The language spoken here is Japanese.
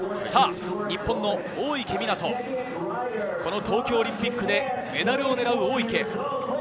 日本の大池水杜、この東京オリンピックでメダルをねらう大池。